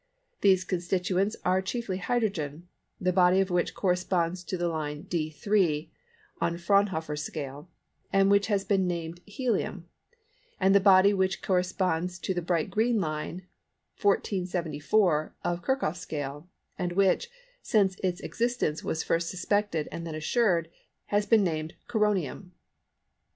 These constituents are chiefly hydrogen; the body which corresponds to the line D3 (of Fraunhofer's scale), and which has been named "Helium"; and the body which corresponds to the bright green line 1474 of Kirchoff's scale and which, since its existence was first suspected and then assured, has been named "Coronium."